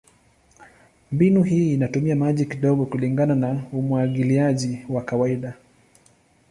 Mbinu hii inatumia maji kidogo kulingana na umwagiliaji wa kawaida.